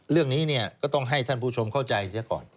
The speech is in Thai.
เรื่องนี้ก็ต้องให้ท่านผู้ชมเข้าใจก่อน